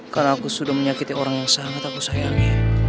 karena aku sudah menyakiti orang yang sangat aku sayangi